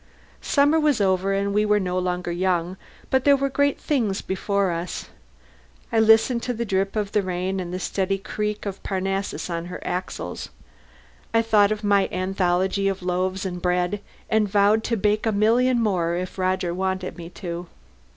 Summer was over, and we were no longer young, but there were great things before us. I listened to the drip of the rain, and the steady creak of Parnassus on her axles. I thought of my "anthology" of loaves of bread and vowed to bake a million more if Roger wanted me to.